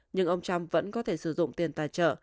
nhưng ông trump vẫn có thể sử dụng tiền tài trợ